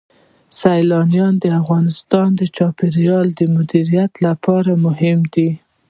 سیلابونه د افغانستان د چاپیریال د مدیریت لپاره مهم دي.